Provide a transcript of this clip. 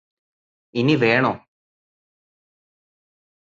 ഇനി വേണോ